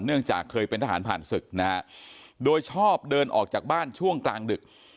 จากเคยเป็นทหารผ่านศึกนะฮะโดยชอบเดินออกจากบ้านช่วงกลางดึก